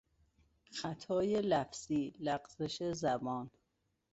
خطای لفظی، لغزش زبان